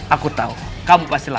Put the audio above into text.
aku tahu kamu pasti lapar